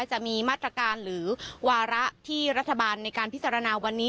จะมีมาตรการหรือวาระที่รัฐบาลในการพิจารณาวันนี้